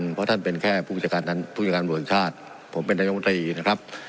เพราะท่านเป็นแค่ผู้พิจารณ์ผู้พิจารณ์บริษัทผมเป็นนายกลุ่มตีนะครับ